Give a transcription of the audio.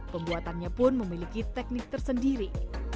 pembuatannya pun memiliki teknik tersendiri